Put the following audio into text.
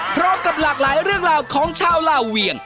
พร้อมกับหลากหลายเรื่องราวของชาวลาเวียง